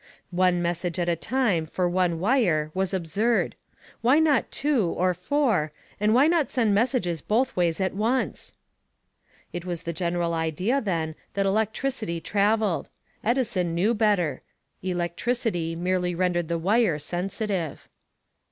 One message at a time for one wire was absurd why not two, or four, and why not send messages both ways at once! It was the general idea then that electricity traveled: Edison knew better electricity merely rendered the wire sensitive.